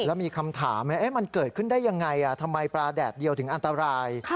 แล้วมีคำถามมันเกิดขึ้นได้ยังไงทำไมปลาแดดเดียวถึงอันตราย